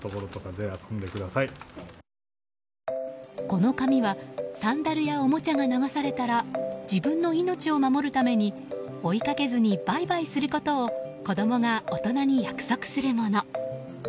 この紙はサンダルやおもちゃが流されたら自分の命を守るために追いかけずにバイバイすることを子供が大人に約束するもの。